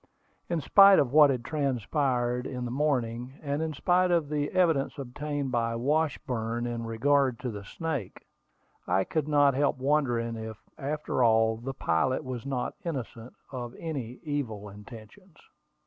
In spite of what had transpired in the morning, and in spite of the evidence obtained by Washburn in regard to the snake, I could not help wondering if, after all, the pilot was not innocent of any evil intentions.